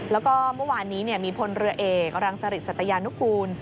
แล้วก็เมื่อวานนี้มีพลเรือเอกรังสริตสัตยานุกูล